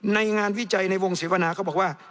ในงานวิจัยในวงเสวนาเขาบอกว่า